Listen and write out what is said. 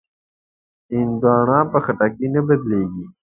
هندوانه په خټکي نه بدلېږي.